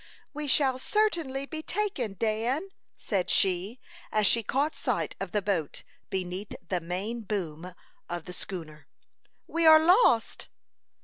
"We shall certainly be taken, Dan," said she, as she caught sight of the boat beneath the main boom of the schooner. "We are lost."